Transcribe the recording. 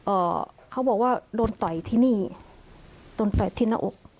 เอ่อเขาบอกว่าโดนต่อยที่นี่โดนต่อยที่หน้าอก